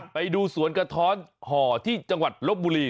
ไปดูสวนกระท้อนห่อที่จังหวัดลบบุรี